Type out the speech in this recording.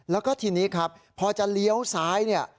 แล้วก็ทีนี้ครับพอจะเลี้ยวซ้ายเนี่ย